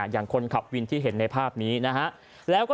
อย่างคนขับวินที่เห็นในภาพนี้นะฮะ